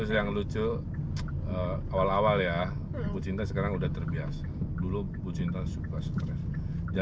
langsung ini ya kalau kita yang lucu awal awal ya bucinta sekarang udah terbiasa dulu bucinta supra supra